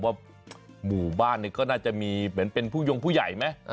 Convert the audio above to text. หมู่บ้านก็น่าจะมีเหมือนเป็นผู้ยงผู้ใหญ่ไหม